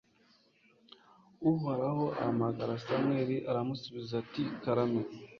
uhoraho ahamagara samweli, arasubiza ati karame